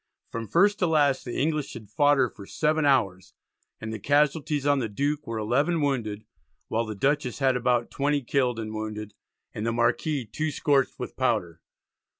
From first to last the English had fought her for seven hours, and the casualties on the Duke were 11 wounded, while the Dutchess had about 20 killed and wounded, and the Marquis 2 scorched with powder.